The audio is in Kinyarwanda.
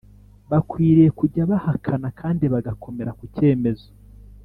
bakwiriye kujya bahakana kandi bagakomera ku kemezo